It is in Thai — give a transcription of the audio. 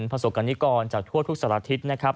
ผสกกรณิกรจากทั่วทุกสัตว์อาทิตย์นะครับ